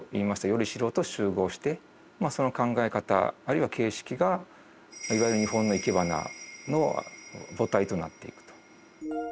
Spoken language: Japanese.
依り代と習合してその考え方あるいは形式がいわゆる日本のいけばなの母体となっていくと。